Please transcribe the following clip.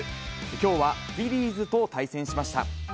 きょうはフィリーズと対戦しました。